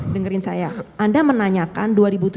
dengarkan saya anda menanyakan